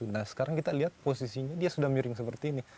nah sekarang kita lihat posisinya dia sudah miring seperti ini